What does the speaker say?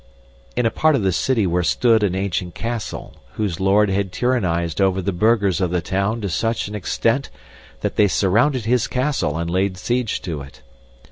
} in a part of the city where stood an ancient castle, whose lord had tyrannized over the burghers of the town to such an extent that they surrounded his castle and laid siege to it.